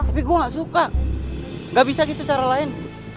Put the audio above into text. tapi saya tidak suka tidak bisa begitu cara lain